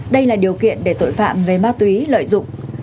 đây là điều kiện để tội phạm về ma túy lợi dụng